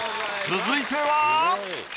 続いては。